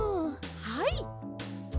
はい！